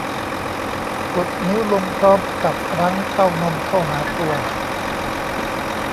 กดนิ้วลงพร้อมกับรั้งเต้านมเข้าหาตัว